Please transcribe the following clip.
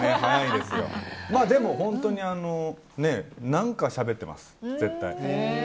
でも、本当に何かしゃべってます、絶対。